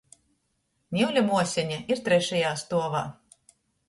Niule muoseņa ir trešajā stuovā.